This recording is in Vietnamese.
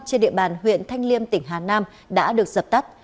trên địa bàn huyện thanh liêm tỉnh hà nam đã được dập tắt